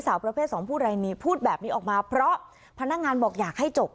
สาวประเภทสองพูดอะไรนี้พูดแบบนี้ออกมาเพราะพนักงานบอกอยากให้จบ